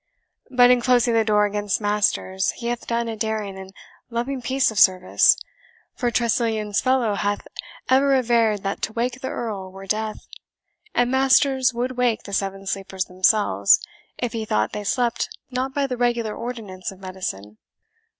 But in closing the door against Masters, he hath done a daring and loving piece of service; for Tressilian's fellow hath ever averred that to wake the Earl were death, and Masters would wake the Seven Sleepers themselves, if he thought they slept not by the regular ordinance of medicine."